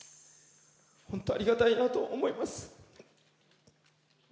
本当にありがたいなと思います。